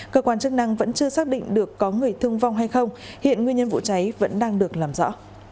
cơ quan chức năng vẫn chưa xác định được có người thương vong hay không hiện nguyên nhân vụ cháy vẫn đang được làm rõ